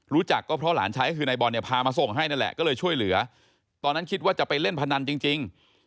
รู้จักก็เพราะหลานชายก็คือนายบอลเนี่ยพามาส่งให้นั่นแหละก็เลยช่วยเหลือตอนนั้นคิดว่าจะไปเล่นพนันจริง